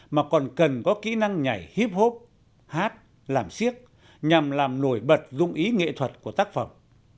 mà còn cần có kỹ năng nhảy hip hop hát làm siếc nhằm làm nổi bật dung ý nghệ thuật của tác phẩm